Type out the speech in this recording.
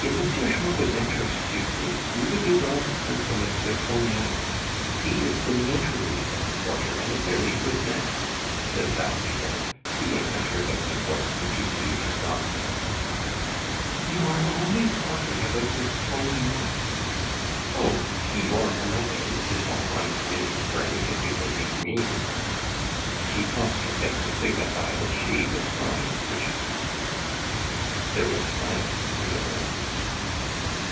Schmucke's interests, you see, you would do well to send for M. Trognon; he is the notary of the quarter and a very good man," said La Cibot, seeing that her victim was completely exhausted. "You are always talking about this Trognon " "Oh! he or another, it is all one to me, for anything you will leave me." She tossed her head to signify that she despised riches. There was silence in the room.